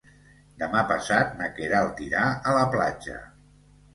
Demà passat na Queralt irà a la platja.